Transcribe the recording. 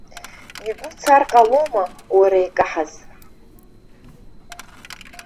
Игәы цар ҟалома, уара, икаҳаз.